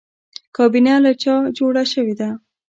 کابینه له چا جوړه شوې ده؟